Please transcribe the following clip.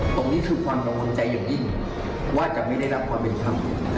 ตรงนี้คือความกังวลใจอย่างยิ่งว่าจะไม่ได้รับความเป็นธรรม